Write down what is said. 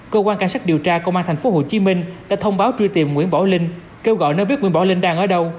cơ quan cảnh sát điều tra công an tp hcm đã thông báo truy tìm nguyễn bảo linh kêu gọi nếu biết nguyễn bảo linh đang ở đâu